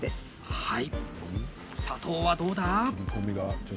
はい。